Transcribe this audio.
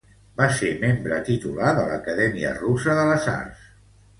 Va ser membre titular de l'Acadèmia Russa de les Arts.